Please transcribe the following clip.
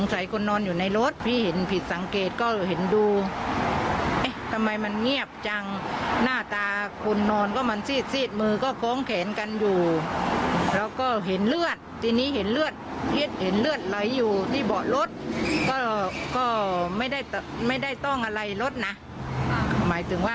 กะว่าจะไปปลูกแล้วก็ให้เขาไปเหมือนกับว่ายางรถจะช่วยเขาประมาณนั้นแหละ